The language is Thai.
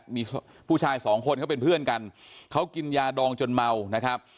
มีผู้ชายสองคนเขาเป็นเพื่อนกันเขากินยาดองจนเมานะครับ